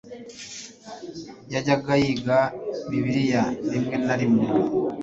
yajyaga yiga bibiliya rimwe na rimwe